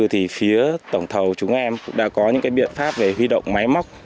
thì phía tổng thầu chúng em cũng đã có những biện pháp về huy động máy móc